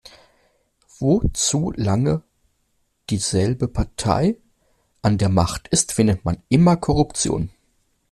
Wo zu lange dieselbe Partei an der Macht ist, findet man immer Korruption.